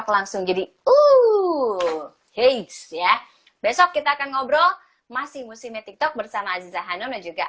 langsung jadi uh hey ya besok kita akan ngobrol masih musimnya tik tok bersama aziza hanum dan juga